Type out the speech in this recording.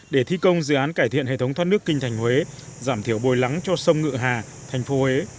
để thi công dự án cải thiện hệ thống thoát nước kinh thành huế giảm thiểu bồi lắng cho sông ngựa hà thành phố huế